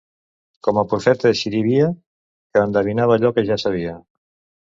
Com el profeta Xirivia, que endevinava allò que ja sabia.